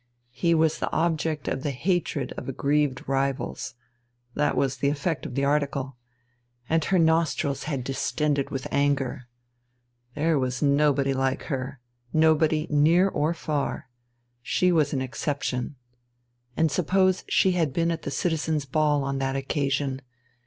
He was the object of the hatred of aggrieved rivals that was the effect of the article. And her nostrils had distended with anger. There was nobody like her, nobody near or far. She was an exception. And suppose she had been at the Citizens' Ball on that occasion?